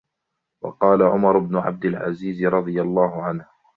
وَقَالَ عُمَرُ بْنُ عَبْدِ الْعَزِيزِ رَضِيَ اللَّهُ عَنْهُ